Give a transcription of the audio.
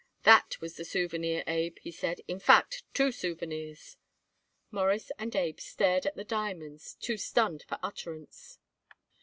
"That was the souvenir, Abe," he said. "In fact, two souvenirs." Morris and Abe stared at the diamonds, too stunned for utterance.